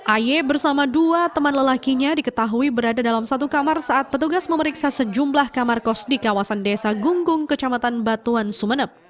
aye bersama dua teman lelakinya diketahui berada dalam satu kamar saat petugas memeriksa sejumlah kamar kos di kawasan desa gunggung kecamatan batuan sumeneb